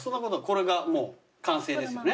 これが完成ですよね？